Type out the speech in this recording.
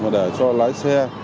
để cho lái xe